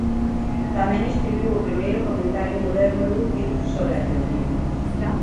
Tamén escribiu o primeiro comentario moderno e útil sobre a teoría.